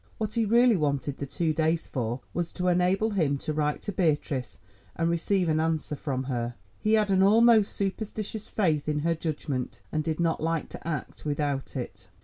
What he really wanted the two days for was to enable him to write to Beatrice and receive an answer from her. He had an almost superstitious faith in her judgment, and did not like to act without it.